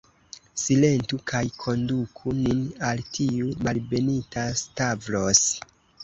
Silentu, kaj konduku nin al tiu malbenita Stavros.